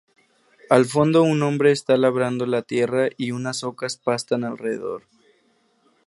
Al fondo un hombre está labrando la tierra y unas ocas pastan alrededor.